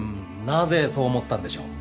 なぜそう思ったんでしょう？